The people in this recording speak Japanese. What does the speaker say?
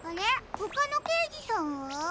ほかのけいじさんは？